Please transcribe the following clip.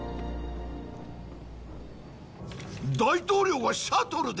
大統領がシャトルで！？